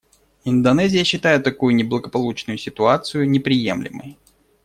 Индонезия считает такую неблагополучную ситуацию неприемлемой.